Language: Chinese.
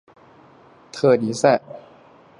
特尼塞。